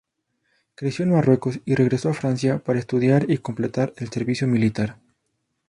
Creció en Marruecos y regresó a Francia para estudiar y completar el servicio militar.